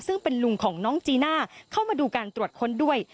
ซึ่งเป็นลุงของน้องจีน่าเข้ามาดูการตรวจค้นด้วย